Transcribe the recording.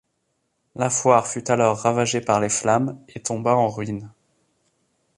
La foire fut alors ravagée par les flammes et tomba en ruines.